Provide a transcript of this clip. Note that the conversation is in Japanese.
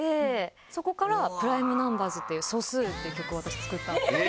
そこから『ＰｒｉｍｅＮｕｍｂｅｒｓ』っていう「素数」っていう曲を私作ったんですけど。